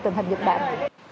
tình hình dịch bệnh